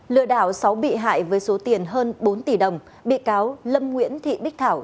lừa đảo sáu bị hại với số tiền hơn bốn tỷ đồng bị cáo lâm nguyễn thị bích thảo